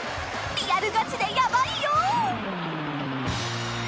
リアルガチでやばいよ！